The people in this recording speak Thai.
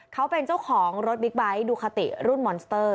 เขาเป็นเจ้าของรถบิ๊กไบท์ดูคาติรุ่นมอนสเตอร์